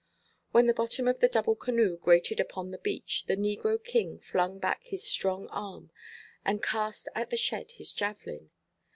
When the bottom of the double canoe grated upon the beach, the negro king flung back his strong arm, and cast at the shed his javelin.